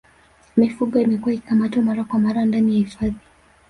mifugo imekuwa ikikamatwa mara kwa mara ndani ya hifadhi